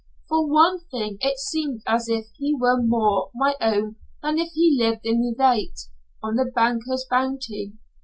For one thing it seemed as if he were more my own than if he lived in Leauvite on the banker's bounty.